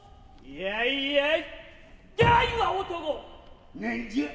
やいやい！